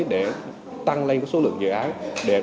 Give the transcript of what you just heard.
để tăng lên số lượng dự án